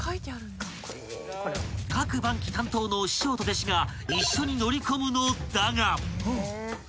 ［各番機担当の師匠と弟子が一緒に乗り込むのだが］